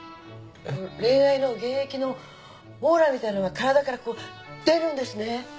恋愛の現役のオーラみたいなのが体からこう出るんですね。